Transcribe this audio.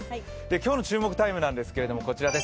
今日の注目タイムなんですけども、こちらです。